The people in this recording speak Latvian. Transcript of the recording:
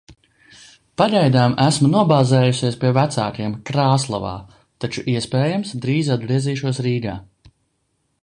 Pagaidām esmu nobāzējusies pie vecākiem, Krāslavā, taču, iespējams, drīz atgriezīšos Rīgā.